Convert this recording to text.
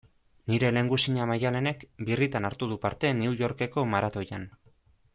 Nire lehengusina Maialenek birritan hartu du parte New Yorkeko maratoian.